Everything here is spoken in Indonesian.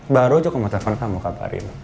baru juga mau telepon kamu kabarin